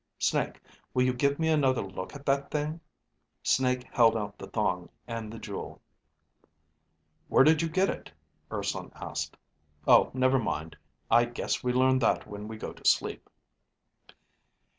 "Snake, will you give me another look at that thing?" Snake held out the thong and the jewel. "Where did you get it?" Urson asked. "Oh, never mind. I guess we learn that when we go to sleep."